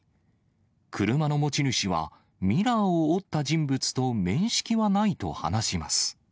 車の持ち主は、ミラーを折った人物と面識はないと話します。